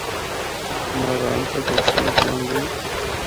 ناران تک ہک سڑک بنڑ گئی۔